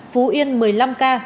phú yên một mươi năm ca